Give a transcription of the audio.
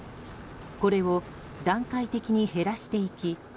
これを段階的に減らしていき